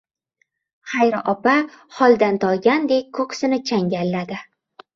— Xayri opa holdan toygandek ko‘ksini changalladi.